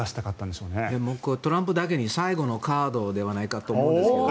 もうこれはトランプだけに最後のカードではないかと思うんです。